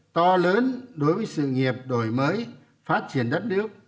to lớn đối với sự nghiệp đổi mới phát triển đất nước